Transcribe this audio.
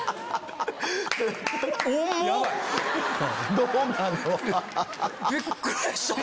どうなの？